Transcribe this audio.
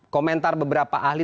komentar beberapa ahli